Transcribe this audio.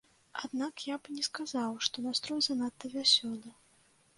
Аднак я б не сказаў, што настрой занадта вясёлы.